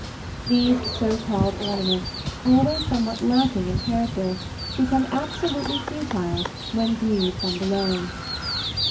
These so called ornaments, always somewhat lacking in character, become absolutely futile when viewed from below.